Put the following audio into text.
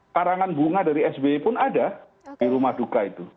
karangan bunga dari sbi pun ada di rumah duka itu